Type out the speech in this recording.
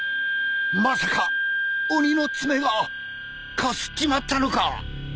まさか鬼の爪がかすっちまったのか！？